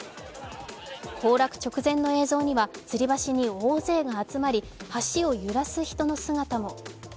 崩落直前の映像にはつり橋に大勢が集まり橋を揺らす人の姿も。